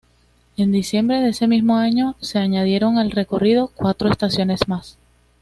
En diciembre de ese mismo año se añadieron al recorrido cuatro estaciones más.